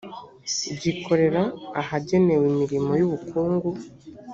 gikorera ahagenewe imirimo y ubukungu